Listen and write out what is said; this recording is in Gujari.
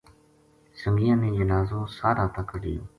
سنگیاں نے جنازو ساہرا تا کَڈھیو